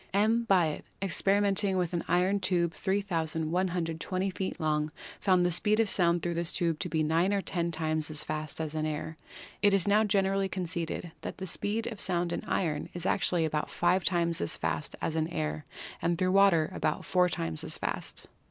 M. Biot, experi menting with an iron tube 3,120 feet long, found the speed of sound through this tube to be 9 or 10 times as fast as in air. It is now generally conceded that the speed of sound in iron is actually about five times as fast as in air and through water about four times as fast.